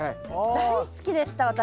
大好きでした私。